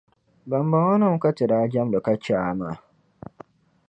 Bambɔŋɔnima ka ti daa jamdi ka che a maa.